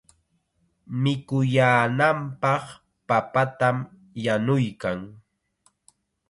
Mikuyaananpaq papatam yanuykan.